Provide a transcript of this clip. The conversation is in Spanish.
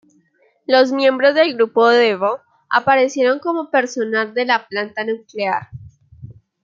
Los miembros del grupo Devo aparecieron como personal de la planta nuclear.